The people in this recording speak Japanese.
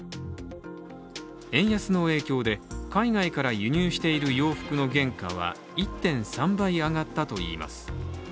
円安の影響で、海外から輸入している洋服の原価は１．３倍上がったといいます。